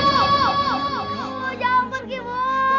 ibu jangan pergi ibu